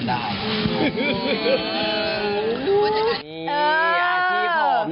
อาชีพผม